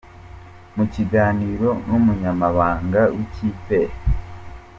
Mu kiganiro n’Umunyamabanga w’iyi kipe, Eng.